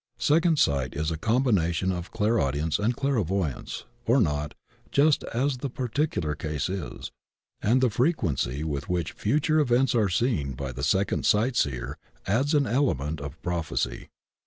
Second sight is a combination of clair audience and clairvoyance, or not, just as the particu lar case is, and the frequency with which future events are seen by the second sight seer adds an element of prophecy.